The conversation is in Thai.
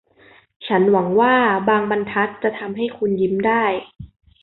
ฉันหวังว่าบางบรรทัดจะทำให้คุณยิ้มได้